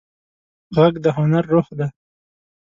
غږ د هنر روح دی